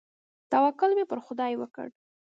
توکل مې پر خداى وکړ.